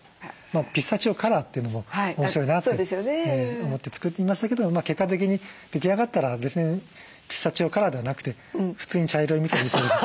ピスタチオカラーというのも面白いなって思って作りましたけど結果的に出来上がったら別にピスタチオカラーではなくて普通に茶色いみそでしたけども。